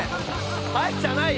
「はい」じゃないよ！